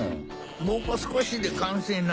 もう少しで完成なんじゃ。